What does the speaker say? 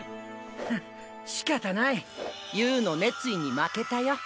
フッしかたないユーの熱意に負けたよ。